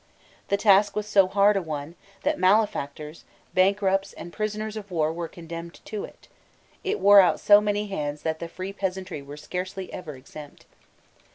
The task was so hard a one, that malefactors, bankrupts, and prisoners of war were condemned to it; it wore out so many hands that the free peasantry were scarcely ever exempt.